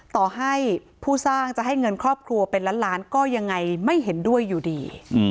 ต่อให้ผู้สร้างจะให้เงินครอบครัวเป็นล้านล้านก็ยังไงไม่เห็นด้วยอยู่ดี